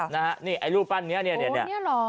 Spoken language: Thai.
นะฮะนี่ไอ้รูปปั้นนี้นี่นี่อ่อโอ้นี่เหรอ